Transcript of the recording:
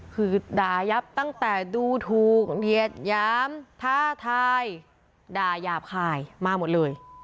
คือด่ายับตั้งแต่ดูถูกเหยียดหยามท้าทายด่าหยาบคายมาหมดเลย